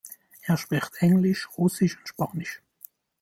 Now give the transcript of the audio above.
Er spricht englisch, russisch und spanisch.